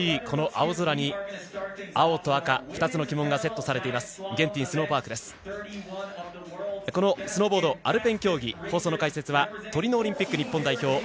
このスノーボード、アルペン競技放送の解説はトリノオリンピック日本代表